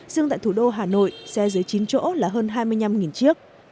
riêng tại thủ đô hà nội xe dưới chín chỗ là hơn hai mươi năm chiếc